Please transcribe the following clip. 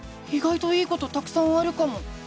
いがいといいことたくさんあるかも！